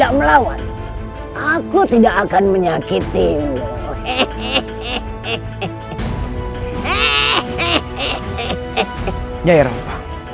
kau akan jadi budak